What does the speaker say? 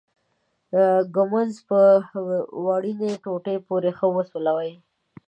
ږمنځ په وړینې ټوټې پورې ښه وسولوئ.